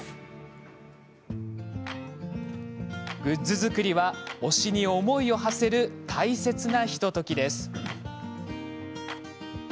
グッズ作りは推しに思いをはせる大切なひとときです。